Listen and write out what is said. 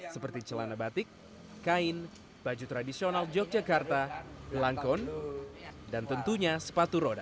seperti celana batik kain baju tradisional yogyakarta langkon dan tentunya sepatu roda